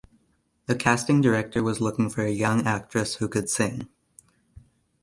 The casting director was looking for a young actress who could sing.